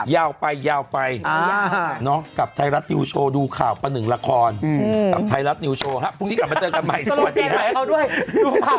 ยาวไปเนาะกับไทยรัฐนิวโชว์ดูข่าวประหนึ่งละครพรุ่งนี้กลับมาเจอกันใหม่สวัสดีนะ